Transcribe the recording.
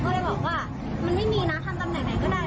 ก็เลยบอกว่ามันไม่มีนะทำตำแหน่งไหนก็ได้